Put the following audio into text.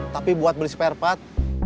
tapi buat beli spare part